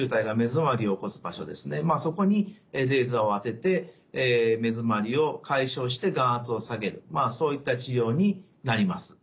まあそこにレーザーを当てて目づまりを解消して眼圧を下げるそういった治療になります。